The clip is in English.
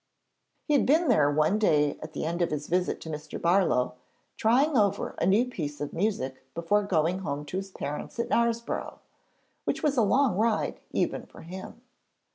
] He had been there one day at the end of his visit to Mr. Barlow, trying over a new piece of music before going home to his parents at Knaresborough, which was a long ride even for him.